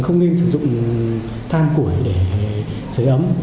không nên sử dụng than củi để sửa ấm